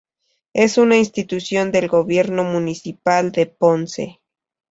Es una institución del Gobierno Municipal de Ponce.